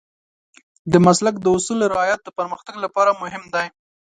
د مسلک د اصولو رعایت د پرمختګ لپاره مهم دی.